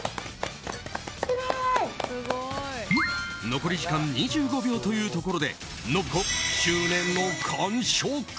残り時間２５秒というところで信子、執念の完食。